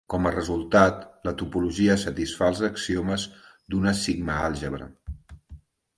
Com a resultat, la topologia satisfà els axiomes d'una sigma-àlgebra.